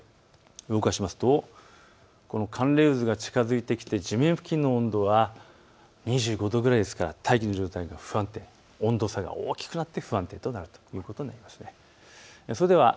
動かしますとこの寒冷渦が近づいてきて地面付近の温度は２５度くらいですから大気の状態が不安定、温度差が大きいとなって不安定となっていきます。